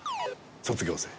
卒業生。